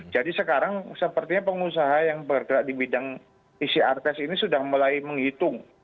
jadi sekarang sepertinya pengusaha yang bergerak di bidang pcr test ini sudah mulai menghitung